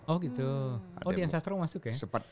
oh gitu oh dian sastro masuk ya